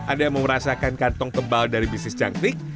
ada yang mau merasakan kantong tebal dari bisnis jangkrik